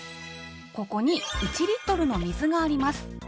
ここに１リットルの水があります。